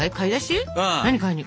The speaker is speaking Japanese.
何買いに？